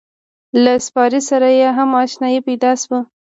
له سپارې سره یې هم اشنایي پیدا شوه.